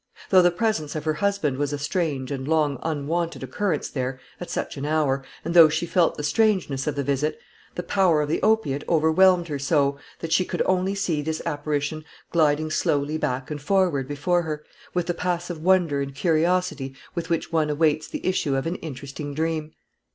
Though the presence of her husband was a strange and long unwonted occurrence there, at such an hour, and though she felt the strangeness of the visit, the power of the opiate overwhelmed her so, that she could only see this apparition gliding slowly back and forward before her, with the passive wonder and curiosity with which one awaits the issue of an interesting dream.